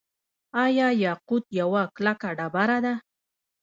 آیا یاقوت یوه کلکه ډبره ده؟